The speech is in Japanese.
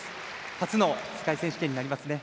初の世界選手権になりますね。